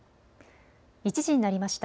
１時になりました。